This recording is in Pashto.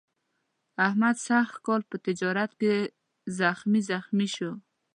احمد سږ کال په تجارت کې زخمي زخمي شو.